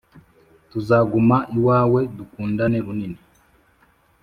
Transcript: tuzaguma iwawe, dukundane runini,